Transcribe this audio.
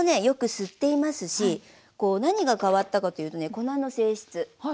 よく吸っていますし何が変わったかというとね粉の性質。